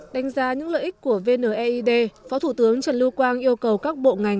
đánh giá những lợi ích của vne id phó thủ tướng trần lưu quang yêu cầu các bộ ngành